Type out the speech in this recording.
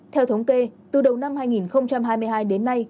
theo thống kê từ đầu năm hai nghìn hai mươi hai đến nay